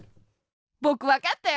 ぼくわかったよ。